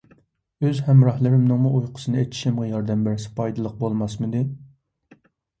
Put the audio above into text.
ئۆز ھەمراھلىرىمنىڭمۇ ئۇيقۇسىنى ئېچىشىمغا ياردەم بەرسە پايدىلىق بولماسمىدى؟